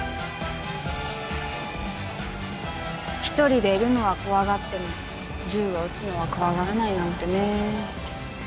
一人でいるのは怖がっても銃を撃つのは怖がらないなんてね。